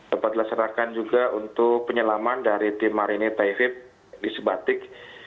dapat dilaksanakan juga untuk penyelaman dari tim marini taifib di sebatik